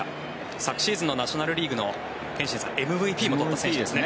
昨シーズンのナショナル・リーグのＭＶＰも取った選手ですね。